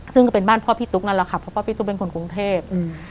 ซึ่งก็เป็นบ้านพ่อพี่ตุ๊กนั่นแหละค่ะเพราะพ่อพี่ตุ๊กเป็นคนกรุงเทพ